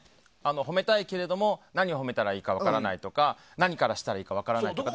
褒めたいけれども何を褒めたらいいのか分からないとか何からしたらいいか分からないとか。